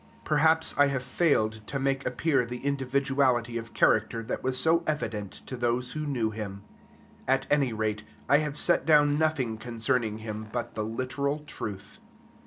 Perhaps I have failed to make appear the individuality of character that was so evident to those who knew him. At any rate, I have set down nothing concerning him, but the literal truth.